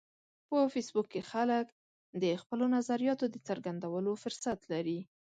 په فېسبوک کې خلک د خپلو نظریاتو د څرګندولو فرصت لري